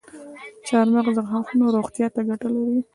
چارمغز د غاښونو روغتیا ته ګټه لري.